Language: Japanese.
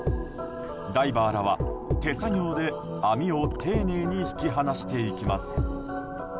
ダイバーらは手作業で網を丁寧に引き離していきます。